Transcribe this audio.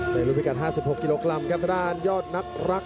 สอยมรณะต้องอายุทัยส่อเทพรัฐ